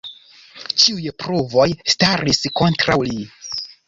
Ĉiuj pruvoj staris kontraŭ li.